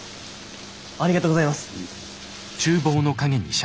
ありがとうございます。